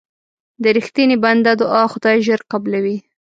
د رښتیني بنده دعا خدای ژر قبلوي.